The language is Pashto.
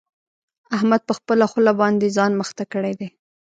احمد په خپله خوله باندې ځان مخته کړی دی.